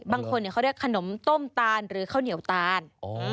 บางคนเขาเรียกขนมต้มตาลหรือข้าวเหนียวตาล